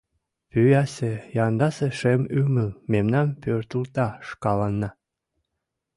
Пӱясе, яндасе шем ӱмыл Мемнам пӧртылта шкаланна.